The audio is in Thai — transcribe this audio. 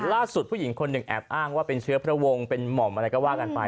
ล่าสุดผู้หญิงคนหนึ่งแอบอ้างว่าเป็นเชื้อพระวงเป็นหม่อมอะไรก็ว่ากันไป